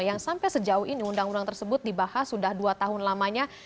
yang sampai sejauh ini undang undang tersebut dibahas sudah dua tahun lamanya